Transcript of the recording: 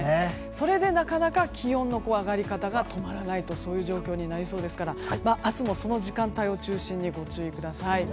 それでなかなか気温の上がり方が止まらないとそういう状況になりそうですから明日もその時間帯を中心にご注意ください。